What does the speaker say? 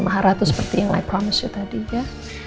maharatu seperti yang i promised you tadi ya